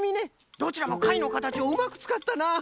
どちらもかいのかたちをうまくつかったな！